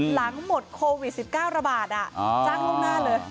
หลังหมดโควิด๑๙ระบาดจ้างล่วงหน้าเลย